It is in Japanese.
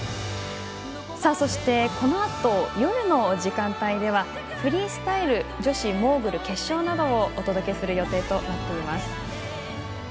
そして、このあと夜の時間帯ではフリースタイル女子モーグル決勝などをお届けする予定となっています。